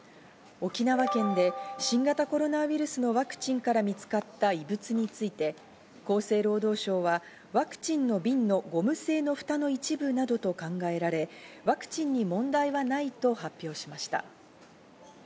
沖縄県で新型コロナウイルスのワクチンから見つかった異物について厚生労働省はワクチンの瓶のゴム製のふたの一部などと考えられ、ワクチンに問題はないと発表しました。